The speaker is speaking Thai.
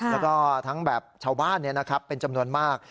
แล้วก็ทั้งแบบชาวบ้านเป็นจำนวนมาก